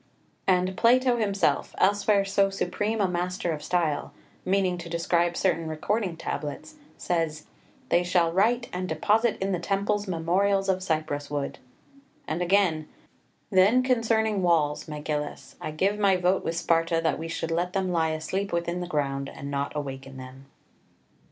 6 And Plato himself, elsewhere so supreme a master of style, meaning to describe certain recording tablets, says, "They shall write, and deposit in the temples memorials of cypress wood"; and again, "Then concerning walls, Megillus, I give my vote with Sparta that we should let them lie asleep within the ground, and not awaken them."